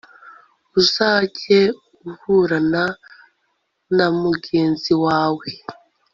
uzajye uburana na mugenzi wawe